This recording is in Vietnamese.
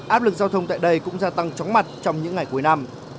áp lực giao thông tại đây cũng gia tăng chóng mặt trong những ngày cuối năm